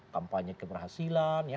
soal kampanye keberhasilan ya